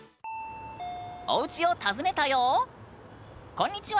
こんにちは！